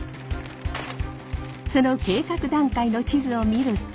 その計画段階の地図を見ると。